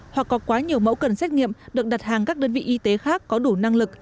hoặc có quá nhiều mẫu cần xét nghiệm được đặt hàng các đơn vị y tế khác có đủ năng lực